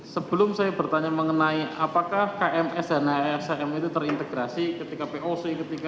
sebelum saya bertanya mengenai apakah kms dan hescm itu terintegrasi ketika poc ketika